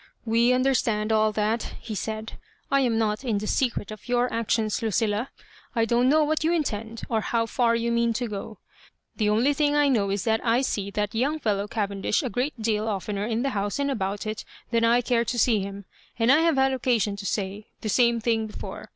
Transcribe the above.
'*We understand all that," he said. " I am not in the secret of your actions, Lucilla. I don't know what you intend, or how far you mean to go. The only thing I know is that I see that young fellow Cavendish a great deal oftener in the house and about it than I care to see him ; and I have had occasion to say the same thing before.